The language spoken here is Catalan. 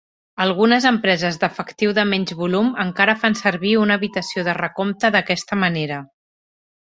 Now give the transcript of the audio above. Algunes empreses d'efectiu de menys volum encara fan servir una habitació de recompte d"aquesta manera.